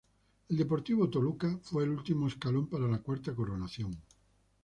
El Deportivo Toluca fue el último escalón para la cuarta coronación.